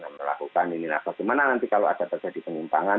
melakukan ini nah bagaimana nanti kalau ada terjadi penyimpangan